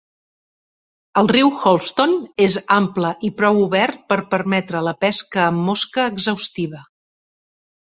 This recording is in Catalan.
El riu Holston és ample i prou obert per permetre la pesca amb mosca exhaustiva.